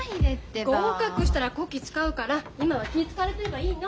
合格したらこき使うから今は気ぃ遣われてればいいの。